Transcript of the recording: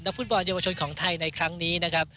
ฟุตบอลเยาวชนของไทยในครั้งนี้นะครับ